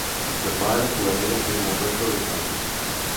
Los pájaros juveniles tienen un rostro grisáceo.